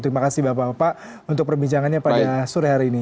terima kasih bapak bapak untuk perbincangannya pada sore hari ini